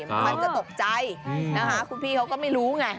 ใครจะตกใจนะคะคุณพี่เขาก็ไม่รู้ไง